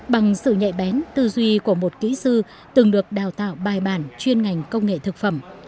bằng sự nhạy bén tư duy của một kỹ sư từng được đào tạo bài bản chuyên ngành công nghệ thực phẩm